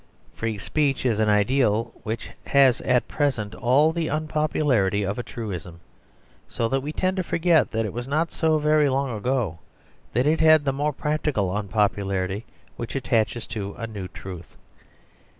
Free speech is an idea which has at present all the unpopularity of a truism; so that we tend to forget that it was not so very long ago that it had the more practical unpopularity which attaches to a new truth.